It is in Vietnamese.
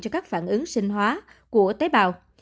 cho các phản ứng sinh hóa của tế bào